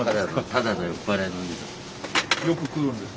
ただの酔っ払いのお兄さんです。